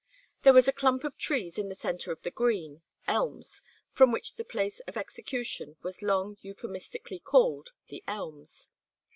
There was a clump of trees in the centre of the green, elms, from which the place of execution was long euphemistically called "The Elms."